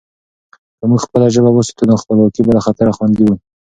که موږ خپله ژبه وساتو، نو خپلواکي به له خطره خوندي وي.